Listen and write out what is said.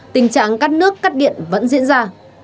tình trạng cắt nước cắt điện vẫn diễn ra